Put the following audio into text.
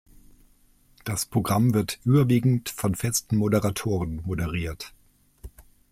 Das Programm wird überwiegend von festen Moderatoren moderiert.